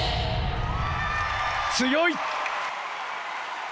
強い！